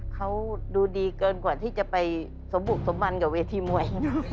เขาดูดีเกินกว่าที่จะไปสมบุกสมบันกับเวทีมวย